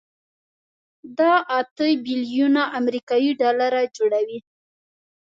دا اته بيلیونه امریکایي ډالره جوړوي.